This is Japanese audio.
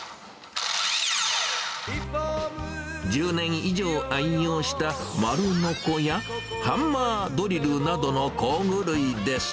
１０年以上愛用した丸ノコやハンマードリルなどの工具類です。